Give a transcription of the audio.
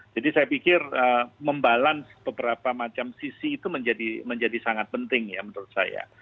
jadi saya pikir membalans beberapa macam sisi itu menjadi sangat penting ya menurut saya